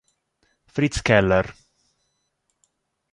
Fritz Keller